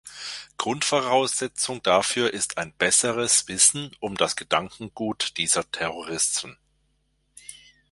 Grundvoraussetzung dafür ist ein besseres Wissen um das Gedankengut dieser Terroristen.